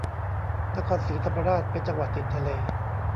นครศรีธรรมราชเป็นจังหวัดติดทะเล